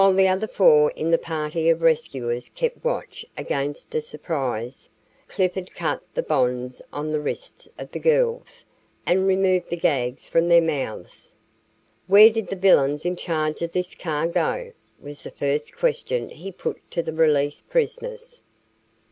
While the other four in the party of rescuers kept watch against a surprise, Clifford cut the bonds on the wrists of the girls and removed the gags from their mouths. "Where did the villains in charge of this car go?" was the first question he put to the released prisoners.